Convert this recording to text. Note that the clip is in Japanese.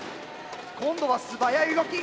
今度は素早い動き。